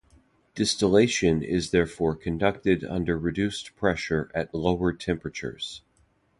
Distillation is therefore conducted under reduced pressure at lower temperatures.